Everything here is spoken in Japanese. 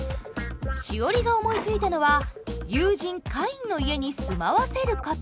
詩織が思いついたのは友人カインの家に住まわせること。